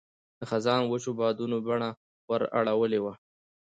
د خزان وچو بادونو بڼه ور اړولې وه.